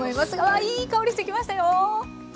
わあいい香りしてきましたよ。